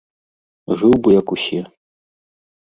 Жыў бы як усе.